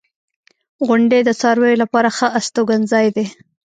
• غونډۍ د څارویو لپاره ښه استوګنځای دی.